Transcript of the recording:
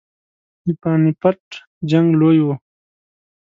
د پاني پټ جنګ لوی وو.